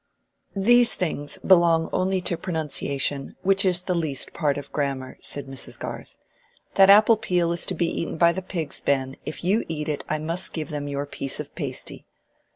"These things belong only to pronunciation, which is the least part of grammar," said Mrs. Garth. "That apple peel is to be eaten by the pigs, Ben; if you eat it, I must give them your piece of pasty.